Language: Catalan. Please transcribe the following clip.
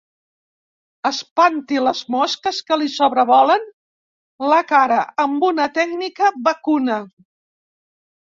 Espanti les mosques que li sobrevolen la cara amb una tècnica vacuna.